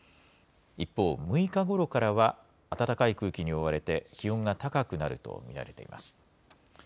一方、６日ごろからは暖かい空気に覆われて、気温が高くなると見られています。